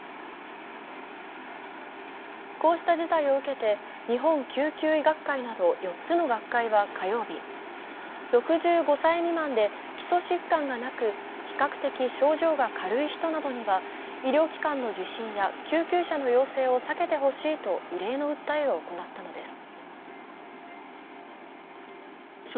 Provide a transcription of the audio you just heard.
こうした事態を受けて、日本救急医学会など４つの団体は火曜日、６５歳未満で基礎疾患がなく比較的症状が軽い人などには医療機関の受診や救急車の利用を避けてほしいと異例の訴えを行ったのです。